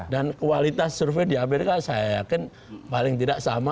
dan kualitas survei di amerika saya yakin paling tidak sama